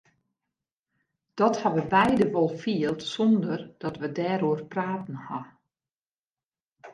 Dat ha we beide wol field sonder dat we dêroer praten ha.